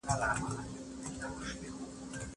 په غمونو پسي تل د ښادۍ زور وي